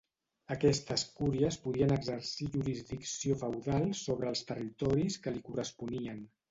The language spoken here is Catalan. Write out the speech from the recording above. Aquestes cúries podien exercir jurisdicció feudal sobre els territoris que li corresponien.